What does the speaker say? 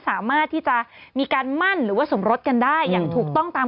สามารถที่จะมีการมั่นหรือว่าสมรสกันได้อย่างถูกต้องตาม